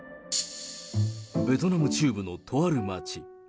ベトナム中部のとある街。